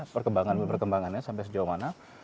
perkembangannya sampai sejauh mana